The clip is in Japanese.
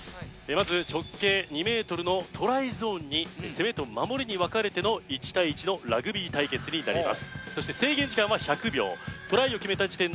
まず直径２ｍのトライゾーンに攻めと守りに分かれての１対１のラグビー対決になります